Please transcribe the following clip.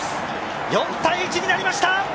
４−１になりました。